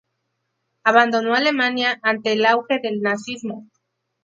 Abandonó Alemania ante el auge del nazismo.